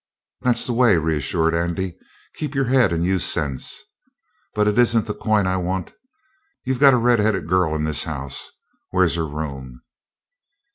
"That's the way," reassured Andy. "Keep your head and use sense. But it isn't the coin I want. You've got a red headed girl in this house. Where's her room?"